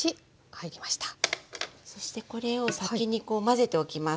そしてこれを先にこう混ぜておきます。